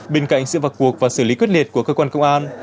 bên cạnh sự vật cuộc và xử lý quyết liệt của cơ quan công an